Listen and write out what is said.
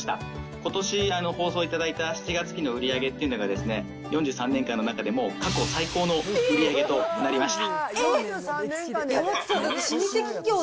ことし放送いただいた７月期の売り上げっていうのが、４３年間の中でも、過去最高の売り上げとなりました。